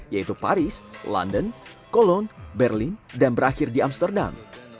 yaitu paris london colon berlin dan berakhir di amsterdam